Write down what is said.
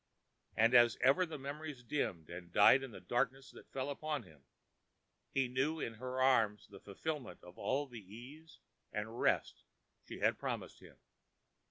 And as even the memories dimmed and died in the darkness that fell upon him, he knew in her arms the fulfilment of all the ease and rest she had promised him.